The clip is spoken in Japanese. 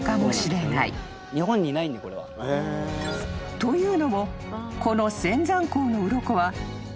［というのもこの］